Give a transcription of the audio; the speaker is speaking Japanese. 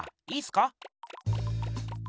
いいすか？